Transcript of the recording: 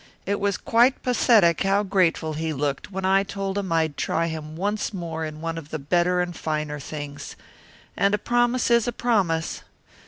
It was quite pathetic how grateful he looked when I told him I'd try him once more in one of the better and finer things. And a promise is a promise."